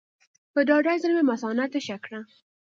په ډاډه زړه مې مثانه تشه کړه.